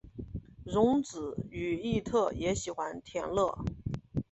荣子与义持也喜欢田乐。